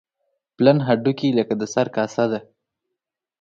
پلن هډوکي لکه د سر کاسه ده.